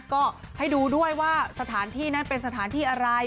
ก็ให้ดูด้วยว่าสถานที่นั้นเป็นสถานที่อะไร